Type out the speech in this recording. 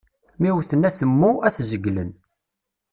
Mi wwten atemmu, ad t-zeglen.